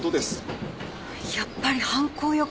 やっぱり犯行予告。